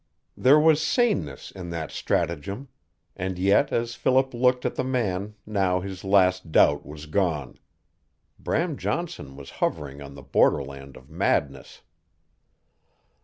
There was saneness in that stratagem and yet as Philip looked at the man now his last doubt was gone. Bram Johnson was hovering on the borderland of madness.